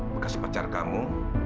bekas pacar kamu